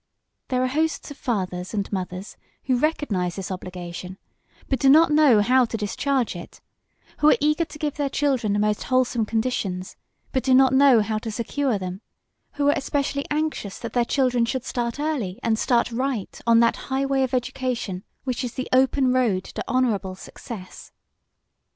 There are hosts of fathers and mothers who recognize this obligation but do not know how to discharge it; who are eager to give their children the most wholesome conditions, but do not know how to secure them; who are especially anxious that their children should start early and start right on that highway of education which is the open road to honorable success.